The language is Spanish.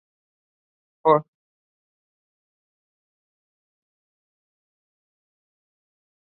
George Bush padre tuvo su primera misión como aviador sobre Wake.